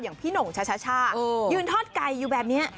พี่หน่งชาช่ายืนทอดไก่อยู่แบบนี้